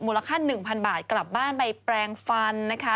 ค่า๑๐๐๐บาทกลับบ้านไปแปลงฟันนะคะ